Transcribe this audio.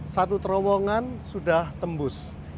satu terowongan sudah tembus